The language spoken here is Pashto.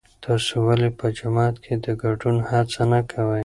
تاسو ولې په جماعت کې د ګډون هڅه نه کوئ؟